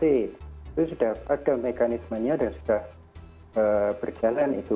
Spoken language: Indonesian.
itu sudah ada mekanismenya dan sudah berjalan itu